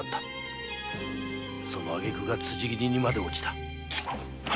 その挙げ句が辻斬りにまで堕ちた